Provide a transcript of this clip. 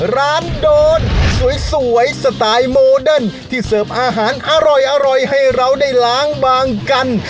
ร้านโดนสวยสไตล์โมเดิร์นที่เสิร์ฟอาหารอร่อยให้เราได้ล้างบางกัน